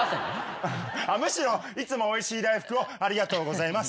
むしろいつもおいしい大福をありがとうございます。